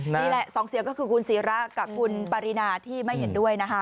นี่แหละสองเสียงก็คือคุณศิระกับคุณปรินาที่ไม่เห็นด้วยนะคะ